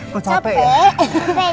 kok capek ya